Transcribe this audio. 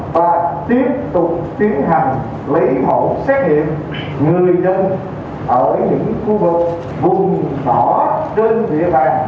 và tiếp tục tiến hành lấy mẫu xét nghiệm người dân ở những khu vực vùng mỏ trên địa bàn